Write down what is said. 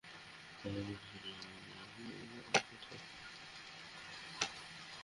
এটা আবার কেমন কথা!